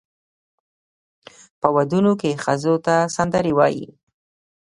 په ودونو کې ښځو ته سندرې وایي.